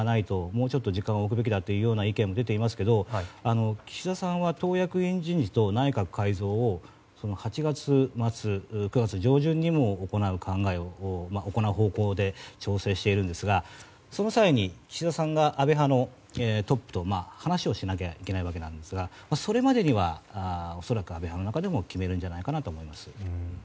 もうちょっと時間を置くべきだという意見も出ていますが岸田さんは党役員人事と内閣改造を８月末、９月上旬にも行う方向で調整しているんですがその際に岸田さんが安倍派のトップと話をしないといけないわけなんですがそれまでには恐らく安倍派の中でも決めるんじゃないかと思います。